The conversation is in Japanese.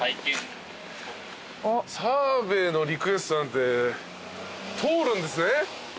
澤部のリクエストなんて通るんですね。